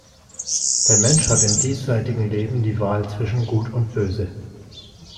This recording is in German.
Der Mensch hat im diesseitigen Leben die Wahl zwischen Gut und Böse.